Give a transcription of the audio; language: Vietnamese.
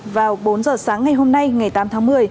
vào bốn giờ sáng ngày hôm nay ngày tám tháng một mươi